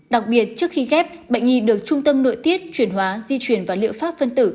đặc biệt trước khi ghép bệnh nhi được trung tâm nội tiết chuyển hóa di chuyển và liệu pháp phân tử